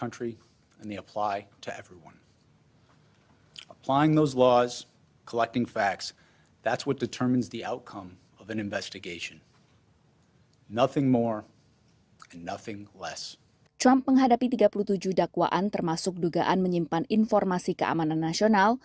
trump menghadapi tiga puluh tujuh dakwaan termasuk dugaan menyimpan informasi keamanan nasional